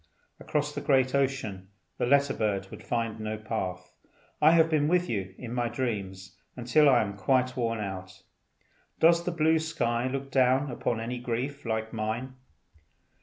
Across the great ocean, the letter bird would find no path. I have been with you in my dreams until I am quite worn out. Does the blue sky look down upon any grief like mine?